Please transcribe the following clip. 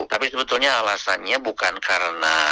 tapi sebetulnya alasannya bukan karena